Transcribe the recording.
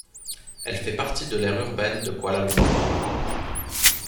Elle fait partie de l'aire urbaine de Kuala Lumpur.